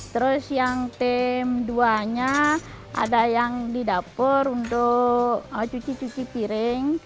terus yang tim dua nya ada yang di dapur untuk cuci cuci piring